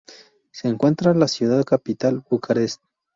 Se encuentra la ciudad capital, Bucarest.